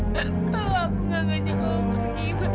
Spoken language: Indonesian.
kalau aku nggak ngajak kamu pergi